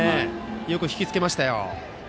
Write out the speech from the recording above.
よく引きつけましたよ。